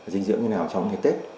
dinh dưỡng như thế nào trong ngày tết